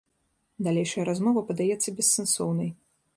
Далейшая размова падаецца бессэнсоўнай.